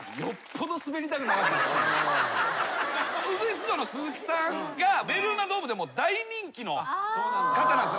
ウグイス嬢の鈴木さんがベルーナドームで大人気の方なんです。